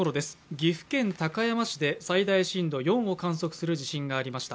岐阜県高山市で最大震度４を観測する地震がありました。